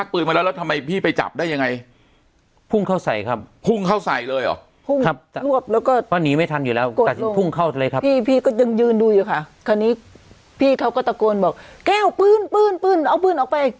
ปืนเอาปืนออกไป